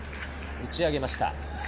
打ち上げました。